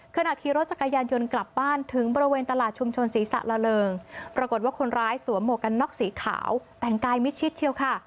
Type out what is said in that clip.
ขณะขี่รถจักรยานยนต์กลับบ้านถึงบริเวณตลาดชุมชนศรีสะละเริงปรากฏว่าคนร้ายสวมหมวกกันน็อกสีขาวแต่งกายมิดชิดเชียวค่ะ